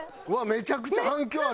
めちゃくちゃ反響ある。